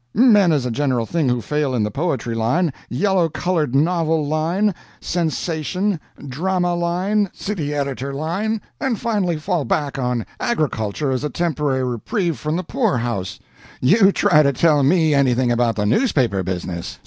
Men, as a general thing, who fail in the poetry line, yellow colored novel line, sensation, drama line, city editor line, and finally fall back on agriculture as a temporary reprieve from the poorhouse. You try to tell me anything about the newspaper business!